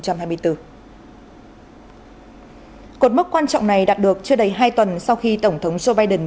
cuộc mức quan trọng này đạt được chưa đầy hai tuần sau khi tổng thống joe biden